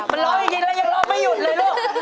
มันร้องจริงแล้วยังร้องไม่หยุดเลยลูก